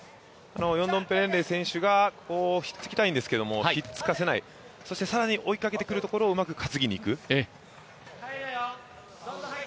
ヨンドンペレンレイ選手がひっつきたいんですけれども、ひっつかせない、そして更に追いかけてくるところをうまく担ぎにいく。